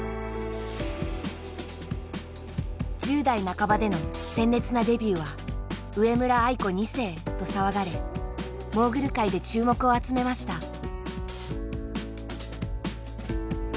１０代半ばでの鮮烈なデビューは「上村愛子２世」と騒がれモーグル界で注目を集めました。